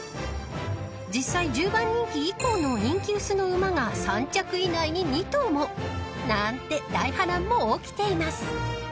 ［実際１０番人気以降の人気薄の馬が３着以内に２頭もなーんて大波乱も起きています］